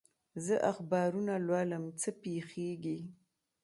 زه اخبارونه لولم، څه پېښېږي؟